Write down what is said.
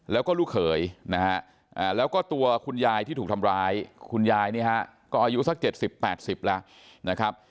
แล้วก็ลูกเขยแล้วก็ตัวคุณยายที่ถูกทำร้ายคุณยายก็อายุสัก๗๐๘๐แล้ว